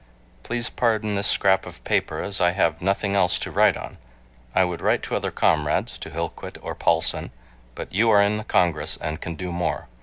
Please pardon this scrap of paper as I have nothing else to write on. I would write to other comrades, to Hillquit or Paulsen, but you are in the Congress and can do more.